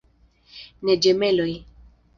Ne ĝemeloj.